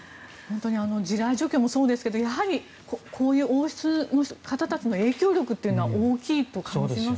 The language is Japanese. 地雷除去もそうですがこういう王室の方々のやはり、影響力というのは大きいと感じますね。